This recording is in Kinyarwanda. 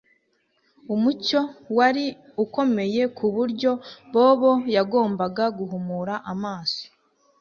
Umucyo wari ukomeye kuburyo Bobo yagombaga guhumura amaso